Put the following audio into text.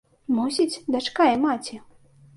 Мусіць, дачка і маці.